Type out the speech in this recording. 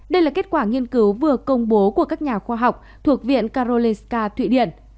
đây là kết quả nghiên cứu vừa công bố của các nhà khoa học thuộc viện karolinska thụy điện